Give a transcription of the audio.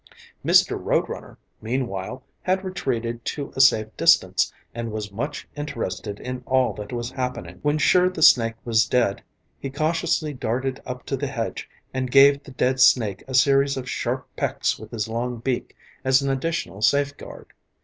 Mr. Road runner, meanwhile, had retreated to a safe distance and was much interested in all that was happening. When sure the snake was dead, he cautiously darted up to the hedge and gave the dead snake a series of sharp pecks with his long beak as an additional safeguard.